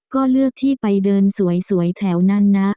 ก็เลือกที่ไปเดินสวยแถวนั้นนะ